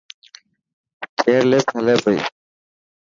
چيئرلفٽ هلي پئي